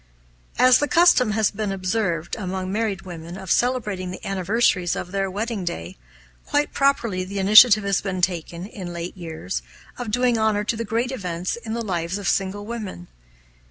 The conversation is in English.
As the custom has long been observed, among married women, of celebrating the anniversaries of their wedding day, quite properly the initiative has been taken, in late years, of doing honor to the great events in the lives of single women.